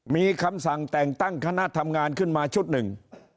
มีคำสั่งแต่งตั้งคณะทำงานขึ้นมาชุดหนึ่ง